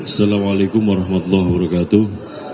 assalamu alaikum warahmatullahi wabarakatuh